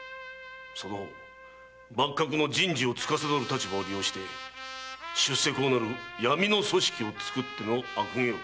その方幕閣の人事を司る立場を利用し出世講なる闇の組織を作っての悪行。